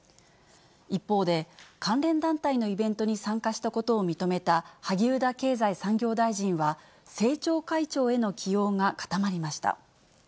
一方で、関連団体のイベントに参加したことを認めた萩生田経済産業大臣は、政調会長への起用が固まりました。